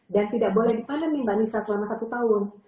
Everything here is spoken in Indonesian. dan tidak boleh dipanen mbak nisa selama satu tahun